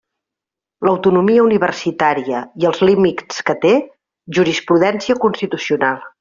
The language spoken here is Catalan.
L'autonomia universitària i els límits que té: jurisprudència constitucional.